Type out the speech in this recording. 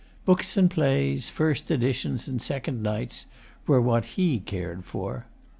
Books and plays, first editions and second nights, were what he cared for.